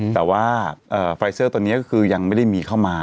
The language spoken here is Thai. แต่ว่าไฟเซอร์ตัวนี้ก็คือยังไม่ได้มีเข้ามา